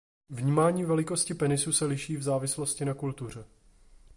Vnímání velikosti penisu se liší v závislosti na kultuře.